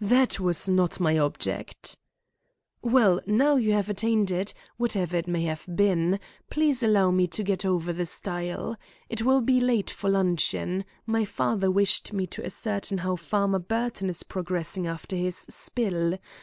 "That was not my object." "Well, now you have attained it, whatever it may have been, please allow me to get over the stile. I will be late for luncheon. My father wished me to ascertain how Farmer Burton is progressing after his spill.